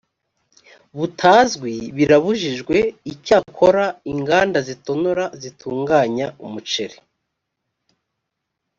butazwi birabujijwe icyakora inganda zitonora zitunganya umuceri